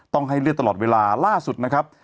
ให้เลือดตลอดเวลาล่าสุดนะครับ